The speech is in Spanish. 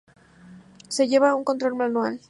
Se lleva un control manual.